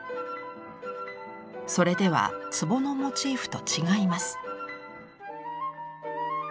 それでは壺のモチーフと違います。